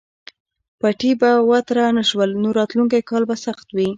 پټي به وتره نه شول نو راتلونکی کال به سخت وي.